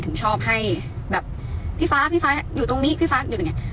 ถึงชอบให้แบบพี่ฟ้าพี่ฟ้าอยู่ตรงนี้พี่ฟ้าอยู่ตรงเนี้ย